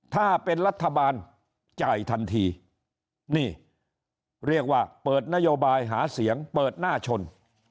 ถ้าเป็นรัฐบาลจ่ายทันทีนี่เรียกว่าเปิดนโยบายหาเสียงเปิดหน้าชน